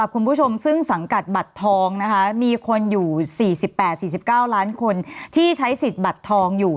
คุณผู้ชมซึ่งสังกัดบัตรทองนะคะมีคนอยู่๔๘๔๙ล้านคนที่ใช้สิทธิ์บัตรทองอยู่